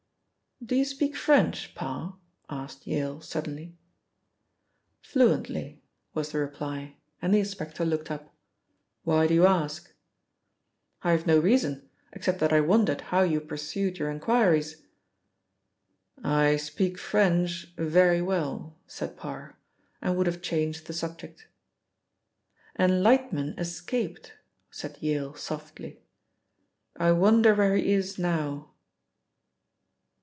"Do you speak French, Parr?" asked Yale suddenly. "Fluently," was the reply, and the inspector looked up. "Why do you ask?" "I have no reason, except that I wondered how you pursued your inquiries." "I speak French very well," said Parr, and would have changed the subject. "And Lightman escaped," said Yale softly. "I wonder where he is now."